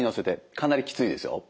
かなりきついですよ。